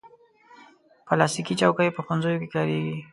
پلاستيکي چوکۍ په ښوونځیو کې کارېږي.